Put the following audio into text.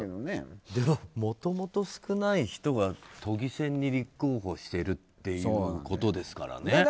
もともと少ない人が都議選に立候補してるということですからね。